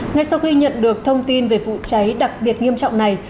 ngay sau khi nhận được thông tin về vụ cháy đặc biệt nghiêm trọng này